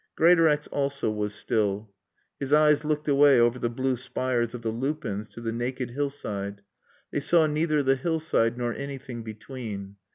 Greatorex also was still. His eyes looked away over the blue spires of the lupins to the naked hillside. They saw neither the hillside nor anything between.